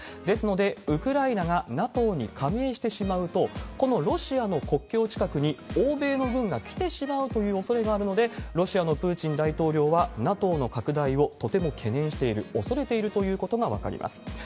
ですので、ウクライナがＮＡＴＯに加盟してしまうと、このロシアの国境近くに欧米の軍が来てしまうというおそれがあるので、ロシアのプーチン大統領はＮＡＴＯの拡大をとても懸念している、恐れているということが分かります。